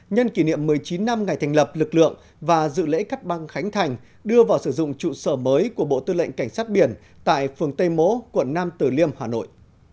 nhân kỷ niệm một mươi chín năm ngày thành lập lực lượng và dự lễ cắt băng khánh thành đưa vào sử dụng trụ sở mới của bộ tư lệnh cảnh sát biển tại phường tây mỗ quận nam tử liêm hà nội